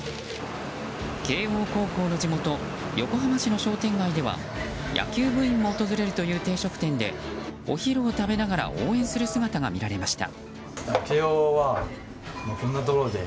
慶応高校の地元・横浜市の商店街では野球部員も訪れるという定食店でお昼を食べながら応援する姿が見られました。